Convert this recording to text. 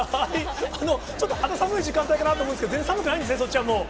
ちょっと肌寒い時間帯かなと思うんですけど、全然寒くないんですね、そっちはもう。